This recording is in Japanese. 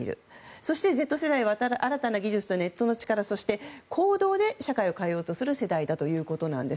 そしてＺ世代は新たな技術とネットの力そして、行動で社会を変えようとする世代だということなんです。